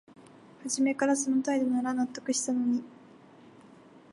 はじめからその態度なら納得したのに